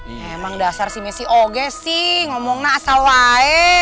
emang dasar si messi oge sih ngomongnya asal lain